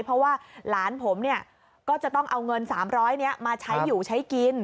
เพราะว่าหลานผมเนี่ยก็จะต้องเอาเงิน๓๐๐นี้มาใช้อยู่ใช้กิน